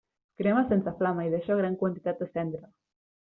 Crema sense flama i deixa gran quantitat de cendra.